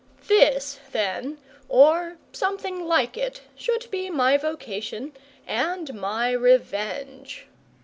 This, then, or something like it, should be my vocation and my revenge.